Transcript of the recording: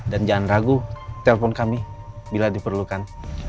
dan jangan ragu telpon kami bila diperlukan